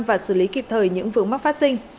và xử lý kịp thời những vướng mắc phát sinh